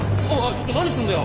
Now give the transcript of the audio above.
ちょっと何すんだよ！？